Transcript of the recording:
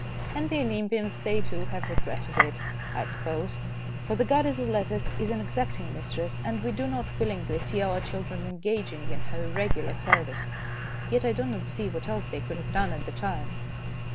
And the Olympians they, too, have regretted it, I suppose, for the goddess of letters is an exacting mistress, and we do not willingly see our children engaging in her irregular service. Yet I do not see what else they could have done at the time.